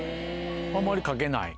あまり掛けない。